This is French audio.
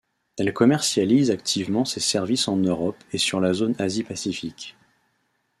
Elle commercialise activement ses services en Europe et sur la zone Asie-Pacifique.